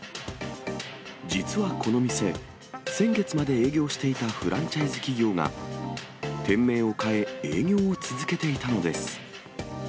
実はこの店、先月まで営業していたフランチャイズ企業が、店名を変え営業を続けていたのです。